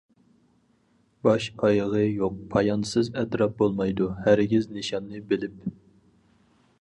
باش-ئايىغى يوق پايانسىز ئەتراپ بولمايدۇ ھەرگىز نىشاننى بىلىپ.